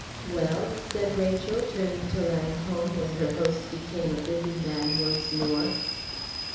"Well?" said Rachel, turning to Langholm when her host became a busy man once more.